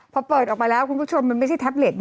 พอเปิดออกมาแล้วคุณผู้ชมมันไม่ใช่แท็บเล็ตนะ